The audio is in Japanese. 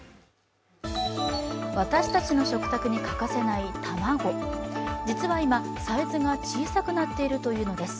私たちの食卓に欠かせない卵、実は今、サイズが小さくなっているというのです。